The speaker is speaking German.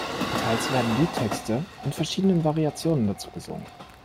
Teils werden Liedtexte in verschiedenen Variationen dazu gesungen.